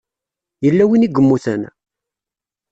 Yella win i yemmuten?